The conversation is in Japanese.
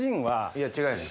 いや違うねん。